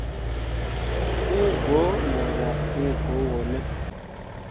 Wu go mu riak fii go wone.